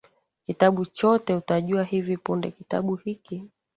kitabu chote utajua hivi punde Kitabu hiki